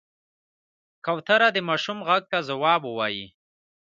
کوتره د ماشوم غږ ته ځواب وايي.